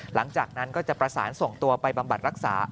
หลังจากนั้นก็จะประสานส่งตัวไปบำบัดรักษา